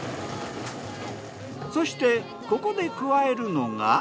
そしてここで加えるのが。